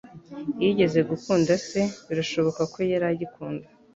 Yigeze gukunda se - birashoboka ko yari agikunda.